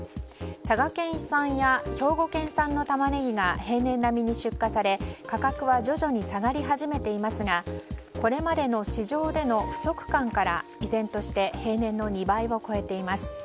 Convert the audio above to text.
佐賀県産や兵庫県産のタマネギが平年並みに出荷され、価格は徐々に下がり始めていますがこれまでの市場での不足感から依然として平年の２倍を超えています。